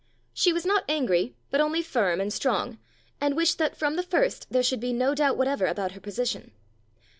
She was not angry, but only firm and strong, and wished that from the first there should be no doubt whatever about her position.